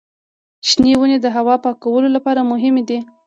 شنې ونې د هوا پاکولو لپاره مهمې دي.